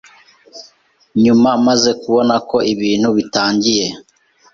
nyuma maze kubona ko ibintu bitangiye